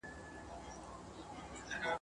کله کله د دې لپاره لیکل کیږي !.